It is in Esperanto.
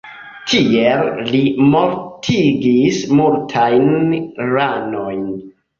Tiel li mortigis multajn ranojn.